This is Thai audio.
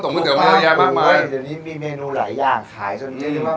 ถึงว่ายังมีหม้ออยู่เลย